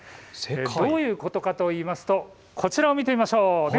どういうことかといいますとこちらを見てみましょう。